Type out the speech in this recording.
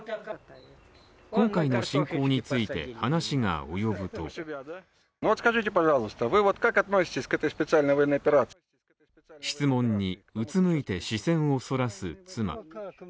今回の進行について話が及ぶと質問にうつむいて視線をそらす妻。